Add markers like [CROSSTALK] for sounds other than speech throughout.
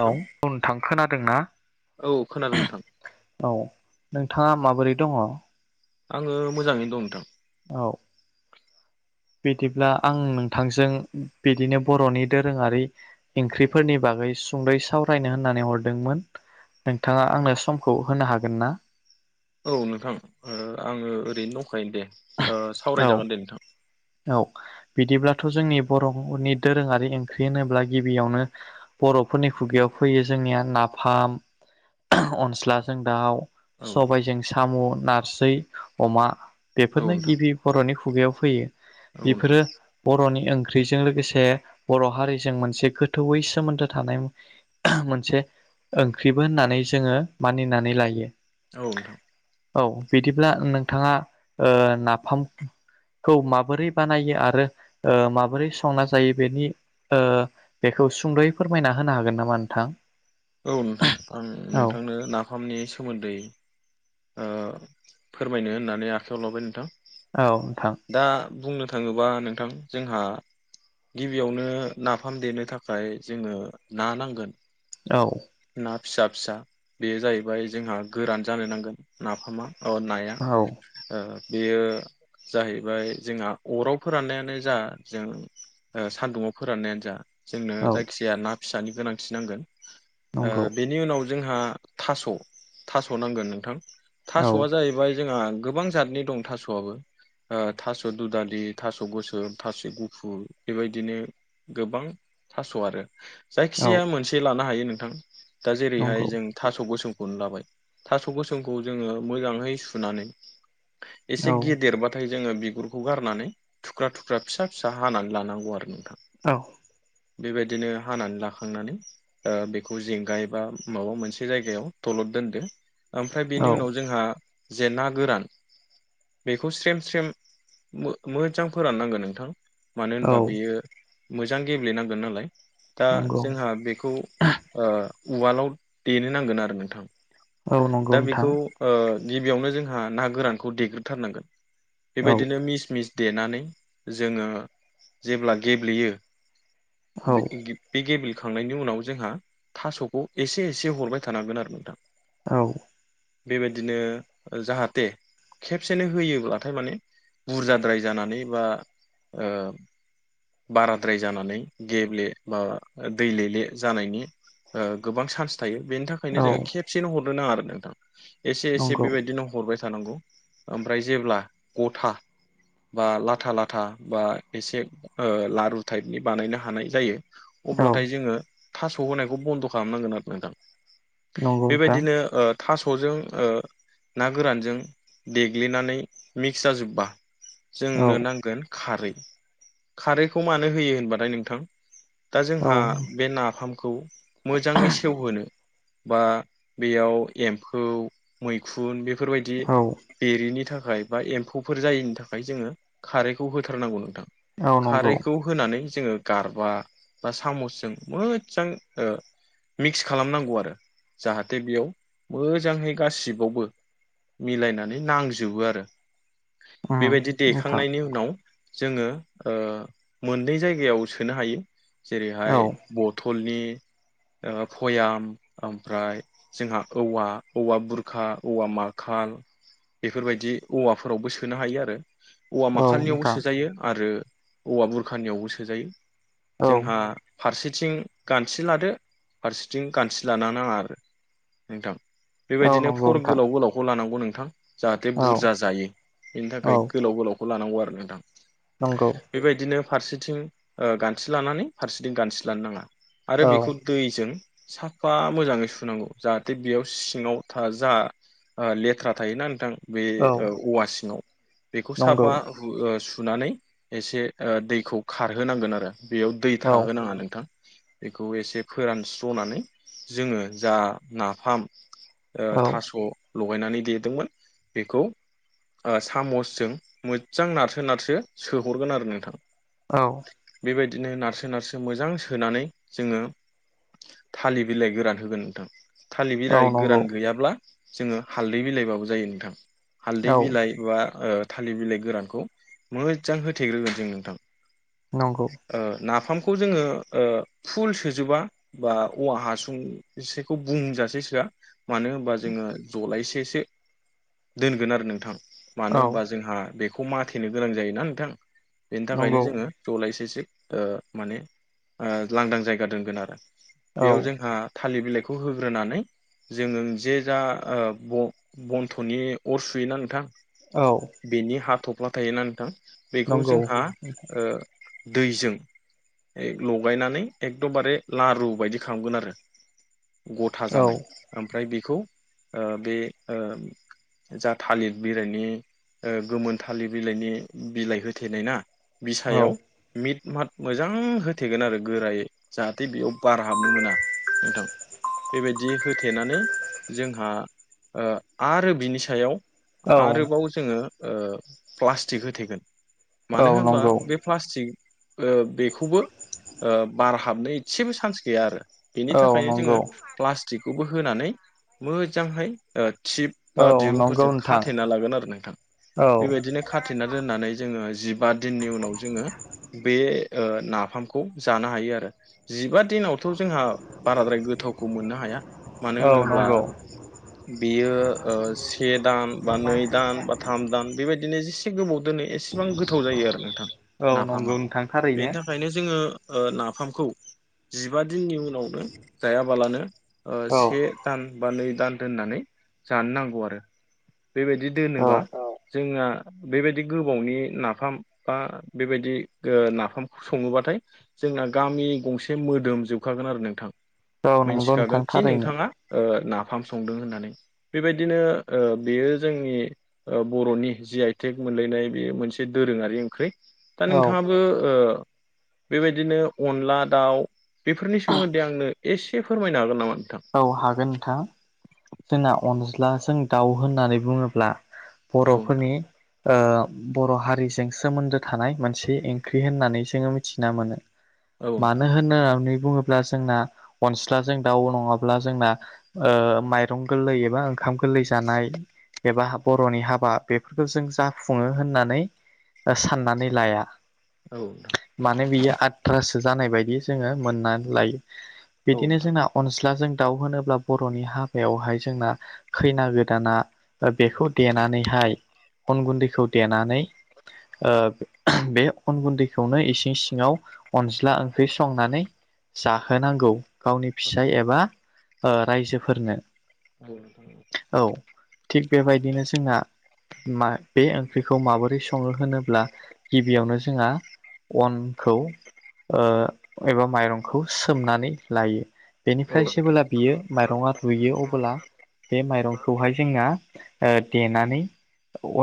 लौ नोंथां अ नोथां खोनादोंना? औ खोनादों नोंथां [INAUDIBLE] औ नोंथाङा माबोरै दङ? आङो मोजाङैनो दं नोंथां। औ बिदिब्ला आं नोंथांजों बिदिनो बर'नि दोरोङारि इख्रिफोरनि बागै सुंयै सावरायनो होननानै हरदोंमोन नोंथाङा आंनो समखौ होनो हागोन ना? औ नोंथां ओ आङो ओरैनो दंखायो दे। ओ औ सावरायजागोन दे नोंथां। औ बिदिब्लाथ' जोंनि बर'नि दोरोङारि ओंख्रि होनोब्ला गिबियावनो बर'फोरनि खुगायाव फैयो जोंनिया नाफाम अनस्लाजों दाउ। औ सबायजों साम' नारजै अमा औ बेफोरनो नोंथां गिबि बर'नि खुगायाव फैयो औ नोंथां बेफोरो बर'नि ओं ख्रिजों लोगोसे बर' हारिजों मोनसे गोथौयै सोमोन्दो थानाय मोनसे ओंख्रिबो होननानै जोङो मानिनानै लायो। औ नोंथां औ बिदिब्ला नोंथाङा ओ नाफाम खौ माबोरै बानायो आरो ओ माबोरै संना जायो बेनि ओ बेखौ सुंद'यै फोरमायना होनो हागोन नामा नोंथां? औ नोंथां आं औ नोंथांनो नाफामनि सोमोन्दै ओ फोरमायनो होननानै आखायाव लाबाय नोंथां। औ नोंथां दा बुंनो थाङोबा नोंथां जोंहा गिबियावनो नाफाम देनो थाखाय जोङो ना नांगोन। औ ना फिसा फिसा बेयो जाहैबाय जोंहा गोरान जानो नांगोन नाफामा। अ नाया औ ओ बेयो जाहैबाय जोंहा अराव फोराननायानो जा जों ओ सान्दुुङाव फोराननायानो जा। जोंनो औ जायखिजाया ना फिसानि गोनांथि नांगोन। ओ नंगौ बेनि उनाव जोंहा थास' थास' नांगोन नोंथां औ थास'आ जाहैबाय जोंहा गोबां जातनि दं थास'आबो ओ थास' दुदालि थास' गोसोम थास' गुफुर बेबायदिनो गोबां थास' आरो औ जायखिजाया मोनसे लानो हायो नोंथां दा नंगौ जेरैहाय जों थास' गोसोम खौनो लाबाय थास' गोसोमखौ जोङो मोजाङै सुनानै एसे औ गिदेरबाथाय जोङो बिगुरखौ गारनानै थुख्रा थुख्रा फिसा फिसा हानानै लानांगौ आरो नों औ बेबायदिनो हानानै लाखांनानै ओ बेख खौ जेंगाय एबा माबा मोनसे जायगायाव दलद दोनदो ओमफ्राय बेनि औ उनाव जोंहा जे ना गोरान बेखौ स्रेम स्रेम मो मोजां फोराननांगोन नोंथां मानो होनबा औ बेयो मोजां गेब्लेनांगोन नालाय दा नंगौ जोंहा बेखौ ओ उवालाव देनो नांगोन आरो नोंथां औ नंगौ दा बेखौ नोंथां ओ गिबियावनो जोंहा ना गोरानखौ देग्रोथारनांगोन औ बेबायदिनो मिस मिस देनानै जोङो जेब्ला गेब्लेयो बे औ गे गेब्लेखांनायनि उनाव जोंहा थास'खौ एसे एसे हरबाय थानांगोन आरो नोंथां औ बेबायदिनो जाहाते खेबसेनो होयोब्लाथाय माने बुरजाद्राय जानानै बा ओ बाराद्राय जानानै गेब्ले बा दै लेले जानायनि ओ गोबां चान्स थायो बेनि थाखायनो जोङो औ खेबसेनो हरनो नाङा आरो नोंथां एसे एसे नंगौ बेबायदिनो हरबाय थानांगौ ओमफ्राय जेब्ला गथा बा लाथा लाथा बा एसे ओ लारु थाइपनि बानायनो हानाय जायो औ अब्लाथाय जोङो थास' होनायखौ बन्द' खालामनांगोन आरो नोंथां नंगौ नोंथां बेबायदिनो ओ थास'जों ओ ना गोरानजों देग्लिनानै मिक्स जाजोब्बा जोंनो औ नांगोन खारै खारैखौ मानो होयो होनबाथाय नोंथां दा औ जोंहा बे नाफामखौ मोजाङै सेवहोनो बा बेयाव एम्फौ मैखुन बेफोरबायदि औ बेरिनि थाख खाय बा एम्फौफोर जायिनि थाखाय जोङो खारैखौ होथारनांगौ नोंथां औ नंगौ खारैखौ होनानै जोङो गारबा बा सामसजों मोद जां ओ मिक्स खालामनांगौ आरो जाहाथे बेयाव मोजांहै गासिबावबो मिलायनानै नांजोबो आरो उम बेबायदि नोंथां देखांनायनि उनाव जोङो ओ मोननै जायगायाव सोनो हायो औ जेरैहाय बट थलनि ओ भयाम ओमफ्राय जोंहा औवा औवा बुरखा औवा माखा थाल बेफोरबायदि औवाफोरावबो सोनो हायो आरो औवा औ माखालनियावबो नोंथां सोजायो आरो औवा बुरखानियावबो सोजायो औ जोंहा फारसेथिं गानसे लादो फारसेथिं गानसे लानो नाङा आरो नोंथां औ बेबायदिनो नंगौ फर नोंथां गोलाव गोलावखौ लानांगौ नोंथां जाहाथे औ बुरजा जायो बेनि थाखाय औ गोलाव गोलावखौ लानांगौ आरो नोंथां नंगौ बेबायदिनो फारसेथिं ओ गान्थि लानानै फारसेथिं गान्थि लानो नाङा आरो औ बेखौ दैजों साफा मोजाङै सुनांगौ जाहाथे बेयाव सिङाव था जा ओ लेथ्रा थायोना नोंथां बे औ औवा सिङाव बेखौ नंगौ साफा ओ सु सुनानै एसे ओ दैखौ खारहोनांगोन आरो बेयाव दै औ थाहोनाङा नोंथां बेखौ एसे फोरानस्र'नानै जोङो जा नाफाम ओ औ थास' लगायनानै देदोंमोन बेखौ ओ सामसजों मोजां नारसो नारसो सोहरगोन आरो नोंथां औ। बेबायदिनो नारसो नारसो मोजां सो सोनानै जोङो थालिर बिलाइ गोरान होगोन नोंथां थालिर बिलाइ नंगौ गोरान गैयाब्ला जोङो हालदै बिलाइबाबो जायो नोंथां हालदै औ बिलाइ बा ओ थालिर बिलाइ गोरानखौ मोजां होथेग्रोगोन जों नोंथां नंगौ ओ नाफामखौ जोङो ओ फुल सोजोबा बा औवा हासुंसेखौ बुंजासे सोआ मानो होनबा जोङो जलायसेसो दोनगोन आरो नोंथां मानो औ होनबा जोंहा बेखौ माथेनो गोनां जायोना नोंथां बेनि थाखायनो नंगौ जोङो जलायसेसो ओ माने लांदां ओ जायगा दोनगोन आरो औ बेयाव जोंहा थालिर बिलाइखौ होग्रोनानै जोङो जे जा ओ ब-बन्थ'नि अर सुयोना नोंथां? औ बेनि हाथफ्ला थायोना नोंथां बेखौ नंगौ जोंहा ओ दैजों लगायनानै एकदमबारे लारु बायदि खालामगोन आरो गथा जानाय औ ओमफ्राय बेखौ ओ बे ओ जा थालिर बिलाइनि ओ गोमोन थालिर बिलाइनि बिलाइ होथेनाय ना औ बिसायाव मिट मात मोजां होथेगोन आरो गोरायै जाहाथे बेयाव बार हाबनो मोना नोंथां बेबायदि हो थेनानै जोंहा ओ आरो बिनि सायाव औ आरोबाव जोङो ओ प्लास्टिक होथेगोन औ मानो होनबा नंगौ बे प्लास्टिक ओ बेखौबो ओ बार हाबनो एसेबो चान्स गैया आरो बेनि औ थाखायनो नंगौ जोङो प्लास्टिकखौबो होनानै मोजांहाय ओ थिब बा औ नंगौ दिरुंफोरजों नोंथां खाथेना लागोन आरो नोंथां औ बेबायदिनो खाथेना दोननानै जोङो जिबा दिननि उनाव जोङो बे ओ नाफामखौ खौ जानो हायो आरो जिबा दिनावथ' जोंहा बाराद्राय गोथावखौ मोननो हाया मानो औ होनोब्ला नंगौ बेयो ओ से दान बा नै दान बा थाम दान बेबायदिनो जि से गोबाव दोनो एसेबां गोथाव जायो आरो नोंथां औ नाफामा नंगौ नोंथां थारैनो बेनि थाखायनो जोङो ओ नाफामखौ जिबा दिननि उनावनो जायाबालानो ओ औ से दान बा नै दान दोननानै जानो नांगौ आरो बेबायदि दोनोबा औ जोंना बेबायदि गोबावनि नाफाम बा बेबायदि ओ नाफामखौ सङोबाथाय जोंना गामि गंसे मोदोम जोबखागोन आरो नोंथां औ नंगौ मिथिखागोन नोंथां खि थारैनो नोंथाङा ओ ना फाम संदों होननानै बेबायदिनो ओ बेयो जोंनि बर'नि जि आइथेक मोनलायनाय बे मोनसे दोरोङारि ओंख्रि दा औ नोंथाङाबो ओ बेबायदिनो अनला दाउ बेफोरनि सोमोन्दै आंनो एसे फोरमायनो हागोन नामा? नोंथां? औ हागोन नोंथां जोंना अनज्लाजों दाउ होननानै बुङोब्ला औ बर'फोरनि ओ बर' हारिजों सोमोन्दो थानाय मोनसे ओंख्रि होननानै जोङो मिथिना मोनो नोंथां मानो होननानै बुङोब्ला जोंना अनस्लाजों दाउ नङा ब्ला जोंना ओ माइरं गोरलै एबा ओंखाम गोरलै जानाय एबा बर'नि हाबा बेफोरखौ जों जाफुङो होननानै दा साननानै लाया। औ नोंथां माने बियो आथ्रासो जानाय बायदि जोङो मोननानै लायो। औ नोंथां औ बिदिनो नोंथां जोंना अनज्लाजोंं दाउ होनोब्ला बर'नि हाबायावहाय जोंना खैना गोदाना बेखौ देनानैहाय अन गुन्दैखौ देनानै ओ बे अन गुन्दैखौनो इसिं सिङाव अनज्ला ओंख्रि संनानै जाहोनांगौ गावनि औ फिसाय एबा ओ रायजोफोरनो। नोंथां औ नोंथां औ थिग बेबायदिनो जोंना मा बे ओंख्रिखौ माबोरै संङो होनोब्ला गिबियावनो जोंहा अनखौ ओ एबा माइरंखौ सोमनानै लायो। औ नोंथां औ बेनिफ्राय नोंथां जेबोला बियो माइरं आ रुयो अबोब्ला बे माइरंखौहाय जोंना ओ देनानै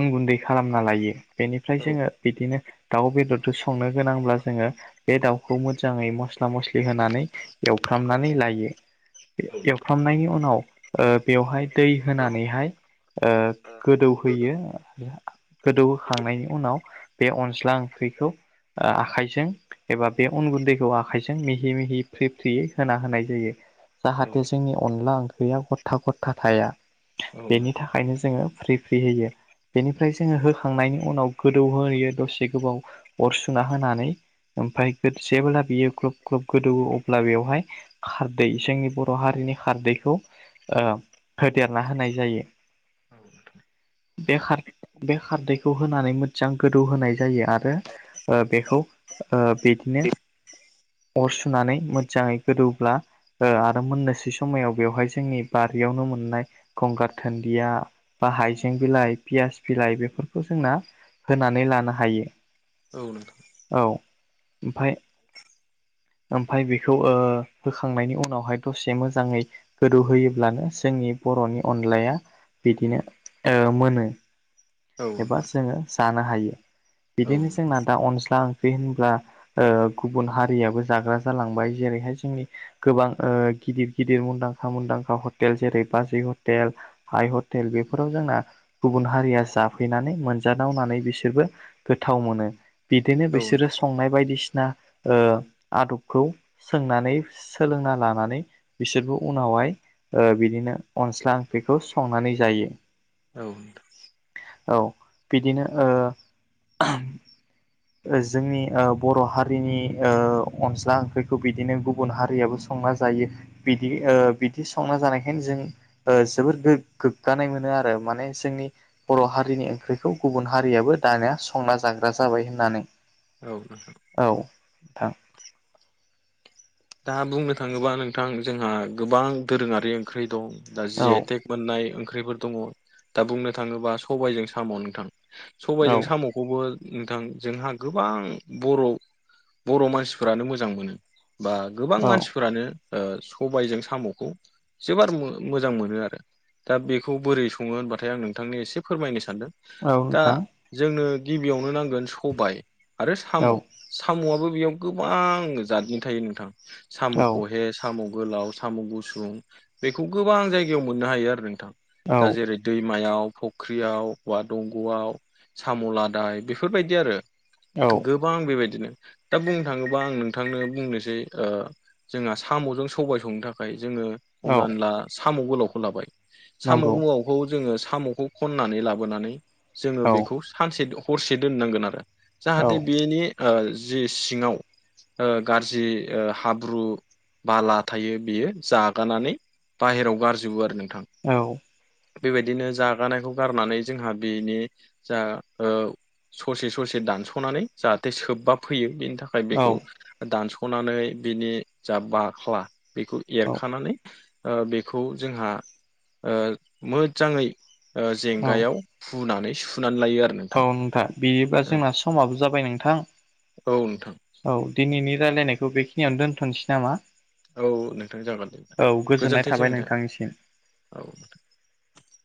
अन गुन्दै खालामना लायो। बेनिफ्राय औ नोंथां औ जोंङो बिदिनो दाउ बेदरजों संनो गोनांब्ला जोंङो बे दाउखौ मोजाङै मस मसला मसला होनानै एवफ्राम लायो नोंथां एवफ्रामनायनि उनाव ओ बेवहाय दै होनानैहाय ओ गोदौ होयो गोदौ होखांनायनि उनाव बे अनज्ला ओंख्रिखौ ओ आखाइजों एबा बे अन गुन्दैखौ आखाइजों मिहि मिहि फ्रि फ्रियै होना होनाय जायो। जाहाथे जोंनि अनला ओंख्रिया गथा गथा थाया। बेनि थाखायनो जोंङो फ्रि फ्रि होयो। बेनिफ्राय जोंङो होखांनायनि उनाव गोदौहोयो दसे गोबाव अर सुना होनानै ओमफ्राय जेब्ला बियो ग्लब ग्लब गोदौवो अब्ला बेवहाय खारदै जोंनि बर' हारिनि खारदैखौ ओ होदेरना होनाय जायो। [UNINTELLIGIBLE] बे खार बे खारदैखौ होनानै मोजां गोदौ होनाय जायो आरो ओ बेखौ ओ बिदिनो अर सुनानै मोजांङै गोदौब्ला ओ आरो मोननोसै समायाव बेवहाय जोंनि बारियावनो मोननाय गंगार घोनदिया बा हाइजें बिलाइ पियास बिलाइ बेफोरखौ जोंना होनानै लानो हायो। औ नोंथां। ओमफ्राय ओमफ्राय बेखौ ओ होखांनायनि उनाव उनावहाय दसे मोजांङै गोदौ होयोब्लानो जोंनि बर'नि अनलाया बिदिनो ओ मोनो। एबा जोंङो जानो हायो बिदिनो जोंना दा अनला अनला ओंख्रि होनब्ला ओ गुबुन हारियाबो जाग्रा जालांबाय जेरैहाय जोंनि गोबां ओ गिदिर गिदिर मुंदांखा मुंदांखा हटेल जेरै बाजै हटेल हाइ हटेल बेफोराव जो जोंना गुबुन हारिया जाफैनानै मोनजादावनानै बिसोरबो गोथाव मोनो। बिदिनो बिसोरो संनाय बायदिसिना ओ आदबखौ सोंनानै सोलोंना लानो नानै बिसोरबो उनावहाय बिदिनो अनस्ला ओंख्रिखौ संनानै जायो। औ नोंथां। औ बिदिनो ओ जोंनि ओ बर हारिनि ओ अनज्ला ओंख्रिखौ बिदिनो गुबुन हारियाबो संना जायो। जायो बिदि ओ बिदि संना जानायखायनो ओ जों जोबोद गोग्गानाय मोनो आरो। माने जोंनि बर हारिनि ओंख्रिखौ गुबुन हारियाबो दानिया संना जाग्रा जाबाय होननानै। औ नोंथां। दा बुंनो थांङोबा नोंथां जोंहा गोबां दोरोङारि ओंख्रि दं। दा जिआइटेक मोननाय ओंख्रिफोर दङ दा बुंनो थाङोब्ला सबायजों साम' नोंथां। सबायजों सामखौबो नोंथां जोंहा गोबां बर बर मानसिफ्रानो मोजां मोनो। बा गोबां नोंथां औ मानसिफोरानो ओ सबायजों सामखौ जोबोर मो-मोजां मोनो आरो दा बेखौ बोरै संङो होनबाथाय आं नोंथांनि एसे फोरमायनो सानदों दा नोंथां जोंनो गिबियावनो नांगोन सबाय आरो औ साम सामआबो बेयाव गोबां जादनि थायो नो औ सामख'हे साम गोलाव साम गुसुं बेखौ गोबां जायगायाव मोननो हायो आरो नोंथां दा औ जेरै दैमायाव फुख्रियाव बा दंग'आव साम' लादाय बेफोरबायदि आरो औ गोबां बेबायदिनो दा बुंनो थाङोबा आं नोंथांनो बुंनोसै ओ जोंहा साम'जों सबाय संनो थाखाय जोङो हमना औ ला साम' गोलावखौ लाबाय साम' नंगौ गोलावखौ जोङो साम'खौ खननानै लाबोनानै जोङो औ बेखौ सानसे हरसे दोननांगोन आरो औ जाहाथे बेनि ओ जि सिङाव ओ गाज्रि ओ हाब्रु बाला थायो बेयो जागानानै बाहेरायाव गारजोबो आरो नों थां औ बेबायदिनो जागानायखौ गारनानै जोंहा बेनि जा ओ ससे ससे दानस'नानै जाहाथे सोबबा फैयो बेनि थाखाय औ बेखौ दानस'नानै बिनि जा बाख्ला बेखौ एरखानानै ओ बेखौ जोंहा ओ मोजाङै ओ जेंगायाव हुनानै सु औ नोंथां बिदिबा जोंना समाबो जाबाय नोंथां औ नोंथां औ दिनैनि रायलायनायखौ बेखिनियावनो दोनथ'नोसै नामा औ नोंथां जागोन दे औ गोजोननाय गोजोन्थोंसै थाबाय नोंथां नोंथांनिसिम औ